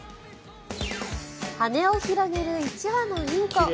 羽を広げる１羽のインコ。